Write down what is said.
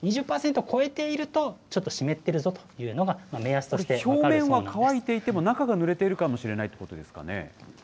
２０％を超えていると、ちょっと湿ってるぞっていうのが、目安と表面は乾いていても、中がぬれているかもしれないということですかね。